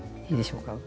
いいでしょうか。